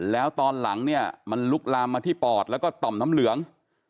แล้วตอนหลังเนี่ยมันลุกลามมาที่ปอดแล้วก็ต่อมน้ำเหลือง